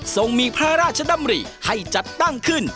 ส่งมีพระราชดำริให้จัดตั้งขึ้น